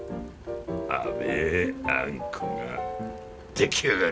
甘えあんこが出来上がる。